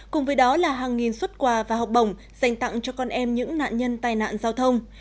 cùng với đó là hàng nghìn xuất quà và học bổng dành tặng cho con em những nạn nhân tai nạn giao thông